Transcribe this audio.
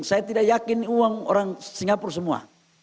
saya tidak yakin uang orang singapura semua